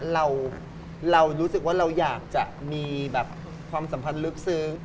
เรารู้สึกว่าเราอยากจะมีแบบความสัมพันธ์ลึกซึ้ง